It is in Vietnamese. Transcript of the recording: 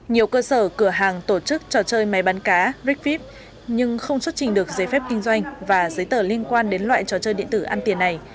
nhiều cơ sở cửa hàng tổ chức trò chơi máy bán cá rickfeft nhưng không xuất trình được giấy phép kinh doanh và giấy tờ liên quan đến loại trò chơi điện tử ăn tiền này